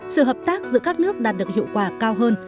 sự hợp tác giữa các nước đạt được hiệu quả cao hơn